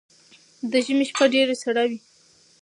ده ژمی شپه ډیره سړه وی